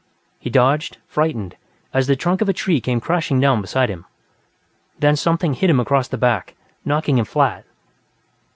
He dodged, frightened, as the trunk of a tree came crashing down beside him. Then something hit him across the back, knocking him flat.